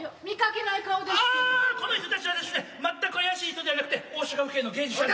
この人たちはでしゅねまったく怪しい人ではなくて大阪府警の刑事しゃん。